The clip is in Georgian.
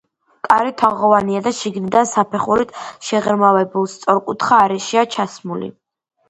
კარი თაღოვანია და შიგნიდან საფეხურით შეღრმავებულ, სწორკუთხა არეშია ჩასმული.